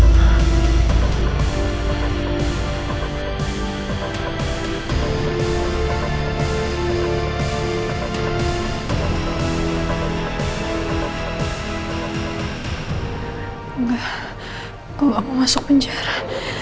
kalau mau masuk penjara